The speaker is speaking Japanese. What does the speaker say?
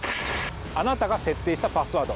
あなたが設定したパスワード